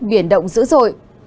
biển động dữ dội